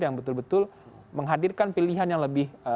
yang betul betul menghadirkan pilihan yang lebih